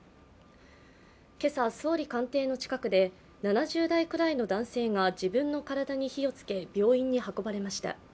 今朝、総理官邸の近くで７０代くらいの男性が自分の体に火を付け病院に運ばれました。